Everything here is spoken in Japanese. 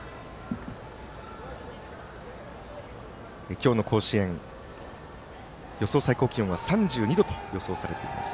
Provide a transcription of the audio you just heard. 今日の甲子園、予想最高気温は３２度と予想されています。